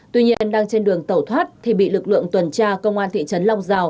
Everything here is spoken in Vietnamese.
tuy nhiên đang trên đường tẩu thoát thì bị lực lượng tuần tra công an thị trấn long giao